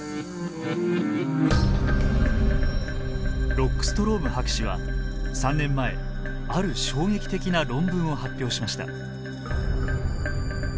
ロックストローム博士は３年前ある衝撃的な論文を発表しました。